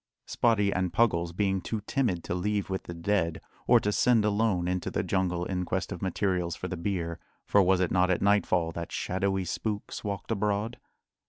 Spottie and Puggles being too timid to leave with the dead, or to send alone into the jungle in quest of materials for the bier for was it not at nightfall that shadowy spooks walked abroad?